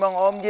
tunggu om jin